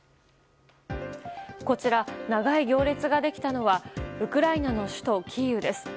こちら、長い行列ができたのはウクライナの首都キーウです。